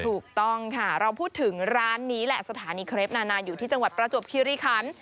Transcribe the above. ถูกต้องค่ะเราพูดถึงร้านนี้แหละสถานีเครปนานาอยู่ที่จังหวัดประจวบคิริคัน